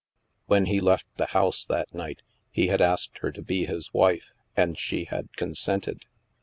When he left the house that night, he had asked her to be his wife, and she had consented.